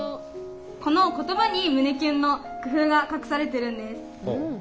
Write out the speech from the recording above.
この言葉に胸キュンの工夫が隠されてるんです。